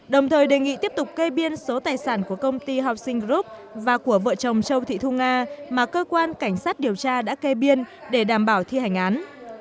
đồng thời đề nghị tiếp tục kê biên số tài sản của công ty housing group và của vợ chồng châu thị thu nga mà cơ quan cảnh sát điều tra đã kê biên để đảm bảo thi hành án